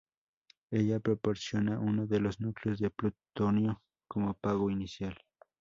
Ella proporciona uno de los núcleos de plutonio como pago inicial.